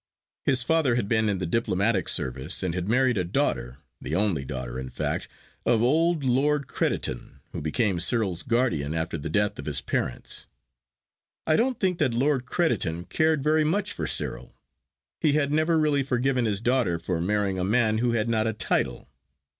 His father had been in the diplomatic service, and had married a daughter, the only daughter, in fact, of old Lord Crediton, who became Cyril's guardian after the death of his parents. I don't think that Lord Crediton cared very much for Cyril. He had never really forgiven his daughter for marrying a man who had not a title.